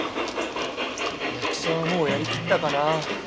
役者はもうやりきったかな。